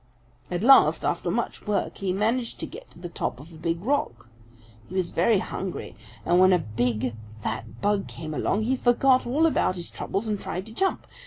"At last, after much work, he managed to get to the top of a big rock. He was very hungry, and when a big, fat bug came along, he forgot all about his troubles and tried to jump.